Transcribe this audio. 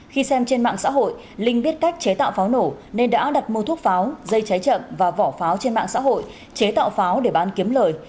khi xem trên mạng xã hội linh biết cách chế tạo pháo nổ nên đã đặt mua thuốc pháo dây cháy chậm và vỏ pháo trên mạng xã hội chế tạo pháo để bán kiếm lời